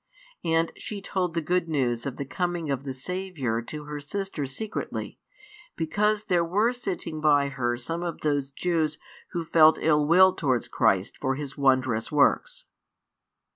And she told the good news of the coming of the Saviour to her sister secretly, because there were sitting by her some of those Jews who felt ill will towards Christ for His wondrous works.